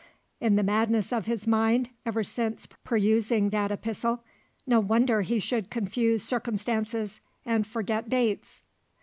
In the madness of his mind ever since perusing that epistle, no wonder he should confuse circumstances, and forget dates.